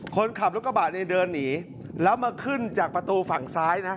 คนขับรถกระบะเนี่ยเดินหนีแล้วมาขึ้นจากประตูฝั่งซ้ายนะ